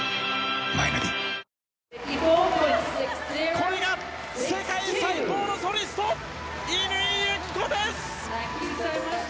これが世界最高のソリスト乾友紀子です！